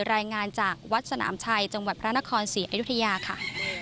รายงานจากวัดสนามชัยจังหวัดพระนครศรีอยุธยาค่ะ